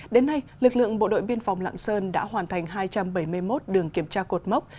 đến nay lực lượng bộ đội biên phòng lạng sơn đã hoàn thành hai trăm bảy mươi một đường kiểm tra cột mốc